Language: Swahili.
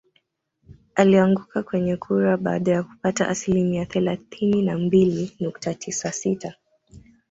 Alianguka kwenye kura baada ya kupata asilimia thelathini na mbili nukta tisa sita